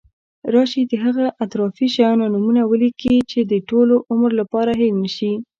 راشي د هغه اطرافي شیانو نومونه ولیکو چې د ټول عمر لپاره هېر نشی.